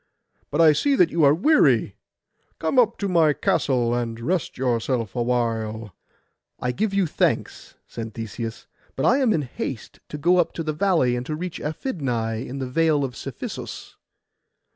But I see that you are weary. Come up to my castle, and rest yourself awhile.' 'I give you thanks,' said Theseus: 'but I am in haste to go up the valley, and to reach Aphidnai in the Vale of Cephisus.